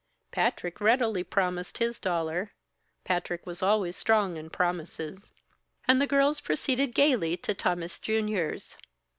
Patrick readily promised his dollar Patrick was always strong in promises and the girls proceeded gaily to Tammas Junior's.